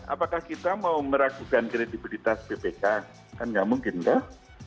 apakah kita mau meragukan kredibilitas bpk kan nggak mungkin kah